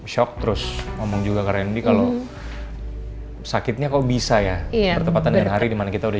shock terus ngomong juga keren di kalau sakitnya kok bisa ya iya tepatan hari dimana kita udah